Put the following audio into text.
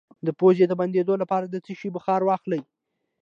د پوزې د بندیدو لپاره د څه شي بخار واخلئ؟